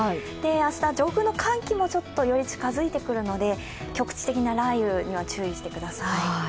明日、上空の寒気もより近づいてくるので局地的な雷雨には注意してください。